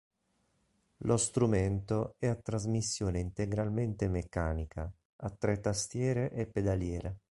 Lo strumento è a trasmissione integralmente meccanica, ha tre tastiere e pedaliera.